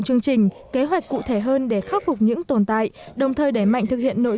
chương trình kế hoạch cụ thể hơn để khắc phục những tồn tại đồng thời đẩy mạnh thực hiện nội